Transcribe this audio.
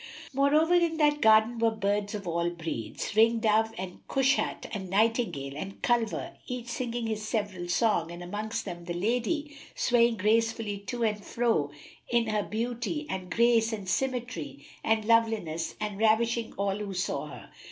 Moreover, in that garden were birds of all breeds, ring dove and cushat and nightingale and culver, each singing his several song, and amongst them the lady, swaying gracefully to and fro in her beauty and grace and symmetry and loveliness and ravishing all who saw her.